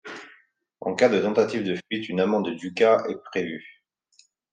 En cas de tentative de fuite, une amende de ducats est prévue.